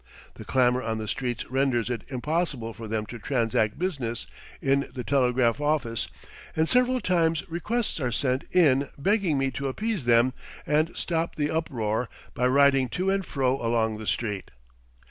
The clamor on the streets renders it impossible for them to transact business in the telegraph office, and several times requests are sent in begging me to appease them and stop the uproar by riding to and fro along the street.